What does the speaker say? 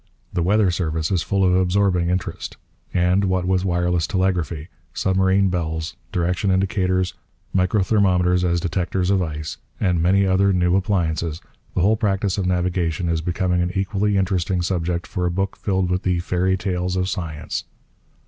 The weather service is full of absorbing interest. And, what with wireless telegraphy, submarine bells, direction indicators, microthermometers as detectors of ice, and many other new appliances, the whole practice of navigation is becoming an equally interesting subject for a book filled with the 'fairy tales of science.'